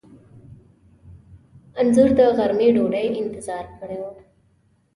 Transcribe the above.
انځور د غرمې ډوډۍ انتظام کړی و.